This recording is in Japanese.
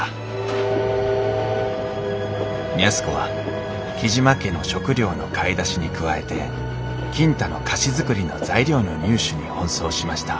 安子は雉真家の食糧の買い出しに加えて金太の菓子作りの材料の入手に奔走しました。